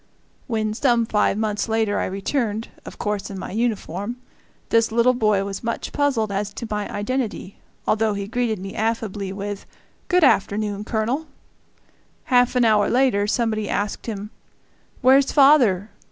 When, some five months later, I returned, of course in my uniform, this little boy was much puzzled as to my identity, although he greeted me affably with "Good afternoon, Colonel." Half an hour later somebody asked him, "Where's father?"